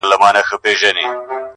نه دي نوم وي د لیلا نه دي لیلا وي,